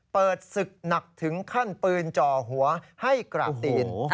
เปิดศึกหนักถึงขั้นปืนจ่อหัวให้กราบตีน